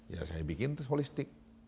ya saya bikin terus holistik